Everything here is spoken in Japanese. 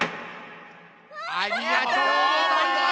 ありがとうございます。